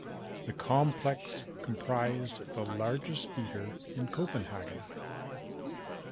The complex comprised the largest theatre in Copenhagen.